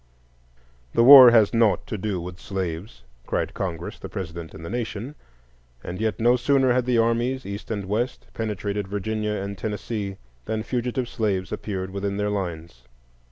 The war has naught to do with slaves, cried Congress, the President, and the Nation; and yet no sooner had the armies, East and West, penetrated Virginia and Tennessee than fugitive slaves appeared within their lines.